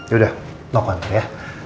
yaudah nongolin aja ya